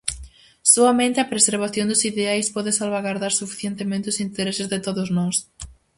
Soamente a preservación dos ideais pode salvagardar suficientemente os intereses de todos nós.